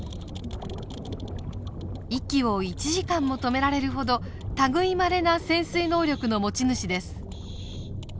息を１時間も止められるほど類いまれな潜水能力の持ち主です。